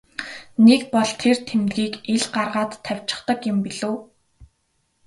Нэг бол тэр тэмдгийг ил гаргаад тавьчихдаг юм билүү.